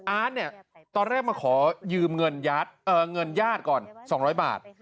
อาร์ตเนี่ยตอนแรกมาขอยืมเงินญาติก่อน๒๐๐บาท